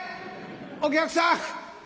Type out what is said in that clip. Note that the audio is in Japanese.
お客さん